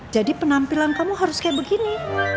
jadi penampilan kamu harus kayak begini